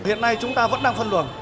hiện nay chúng ta vẫn đang phân luồng